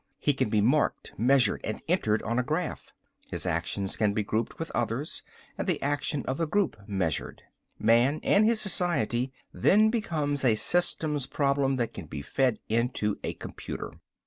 He can be marked, measured and entered on a graph. His actions can be grouped with others and the action of the group measured. Man and his society then becomes a systems problem that can be fed into a computer.